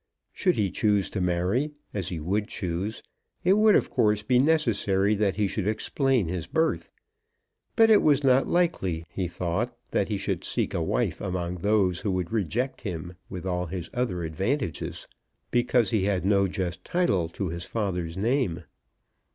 Should he choose to marry, as he would choose, it would of course be necessary that he should explain his birth; but it was not likely, he thought, that he should seek a wife among those who would reject him, with all his other advantages, because he had no just title to his father's name.